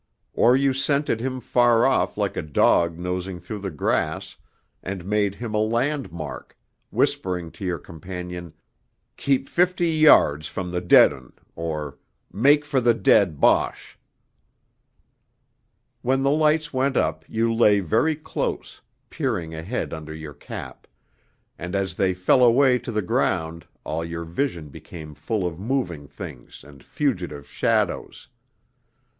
Or you scented him far off like a dog nosing through the grass, and made him a landmark, whispering to your companion, 'Keep fifty yards from the dead 'un,' or 'Make for the dead Boche.' When the lights went up you lay very close, peering ahead under your cap; and as they fell away to the ground all your vision became full of moving things and fugitive shadows.